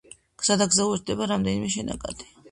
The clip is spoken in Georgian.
გზადაგზა უერთდება რამდენიმე შენაკადი.